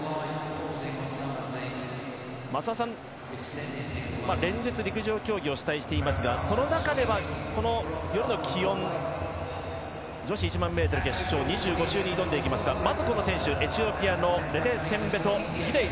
増田さん、連日陸上競技をお伝えしていますがその中では、この夜の気温女子１００００ｍ決勝２５周に挑んでいきますがまず、この選手、エチオピアのレテセンベト・ギデイ。